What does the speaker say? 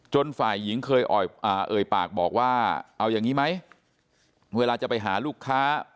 ฝ่ายหญิงเคยเอ่ยปากบอกว่าเอาอย่างนี้ไหมเวลาจะไปหาลูกค้า